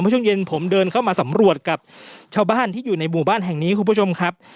ช่วงเย็นผมเดินเข้ามาสำรวจกับชาวบ้านที่อยู่ในหมู่บ้านแห่งนี้คุณผู้ชมครับ